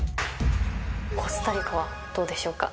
コスタリカはどうでしょうか？